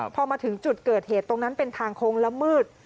พอมาถึงจุดเกิดเหตุตรงนั้นเป็นทางโค้งละมืด